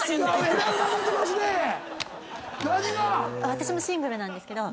私もシングルなんですけど。